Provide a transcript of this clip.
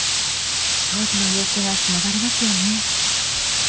当時の様子がしのばれますよね。